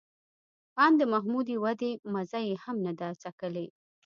آن د محدودې ودې مزه یې هم نه ده څکلې